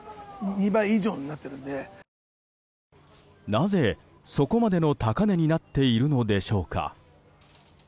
なぜ、そこまでの高値になっているのでしょうか。